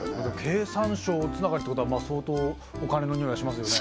経産省つながりってことは相当お金のにおいがしますよね